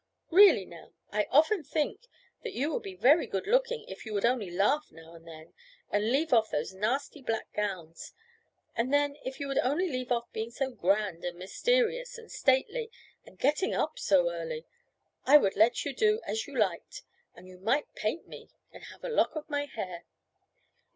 Really now, I often think that you would be very good looking, if you would only laugh now and then, and leave off those nasty black gowns; and then if you would only leave off being so grand, and mysterious, and stately, and getting up so early, I would let you do as you liked, and you might paint me and have a lock of my hair."